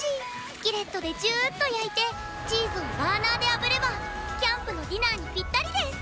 スキレットでじゅーっと焼いてチーズをバーナーで炙れば、キャンプのディナーにぴったりです！